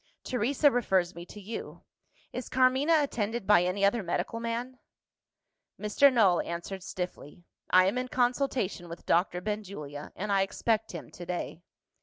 Teresa refers me to you. Is Carmina attended by any other medical man?" Mr. Null answered stiffly, "I am in consultation with Doctor Benjulia; and I expect him to day."